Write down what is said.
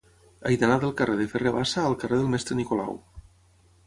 He d'anar del carrer de Ferrer Bassa al carrer del Mestre Nicolau.